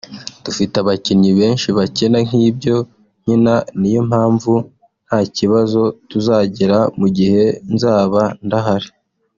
Dufite abakinnyi benshi bakina nk’ibyo nkina niyo mpamvu nta kibazo tuzagira mu gihe nzaba ndahari